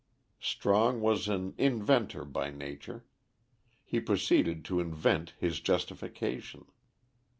Strong was an inventor by nature. He proceeded to invent his justification.